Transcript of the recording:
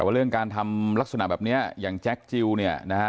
แต่ว่าเรื่องการทำลักษณะแบบนี้อย่างแจ็คจิลเนี่ยนะฮะ